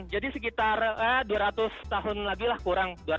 jadi sekitar dua ratus tahun lagi lah kurang